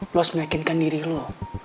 lo harus meyakinkan diri lo